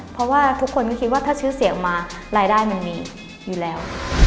เพราะว่าทุกคนก็คิดว่าถ้าชื่อเสียงออกมารายได้มันมีอยู่แล้ว